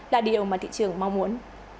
là điều mà thị trường mong muốn